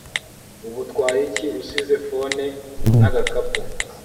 ubutwayiki usize phone nagakapu